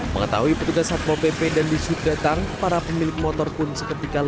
mengetahui petugas satmo pp dan di sudetang para pemilik motor pun seketika lalu